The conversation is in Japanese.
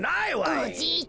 おじいちゃま。